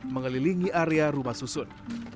mengelilingi area rumah susun